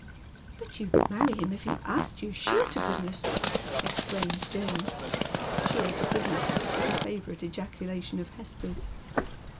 " But you'd marry him if he asked you, sure to goodness," exclaims Jane. " Sure to goodness " is a favourite ejaculation of Hester's.